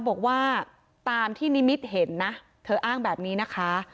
บอกว่าตามที่นิมิตเห็นนะเธออ้างแบบนี้นะคะ